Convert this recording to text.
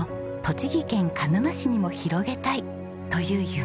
栃木県鹿沼市にも広げたいという夢。